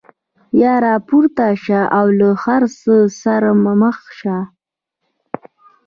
یا راپورته شه او له هر څه سره مخ شه.